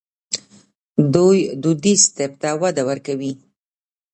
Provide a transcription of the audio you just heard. دوی دودیز طب ته وده ورکوي.